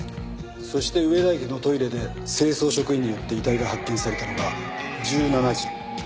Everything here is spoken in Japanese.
そして上田駅のトイレで清掃職員によって遺体が発見されたのが１７時。